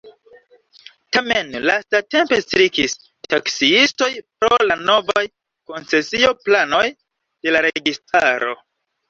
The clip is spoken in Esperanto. Tamen lastatempe strikis taksiistoj pro la novaj koncesio-planoj de la registaro.